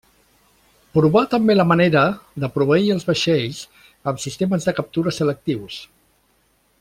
Provà també la manera de proveir els vaixells amb sistemes de captura selectius.